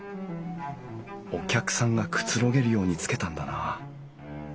お客さんがくつろげるようにつけたんだな。